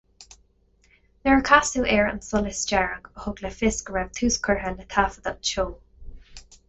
Nuair a casadh air an solas dearg a thug le fios go raibh tús curtha le taifeadadh an tseó.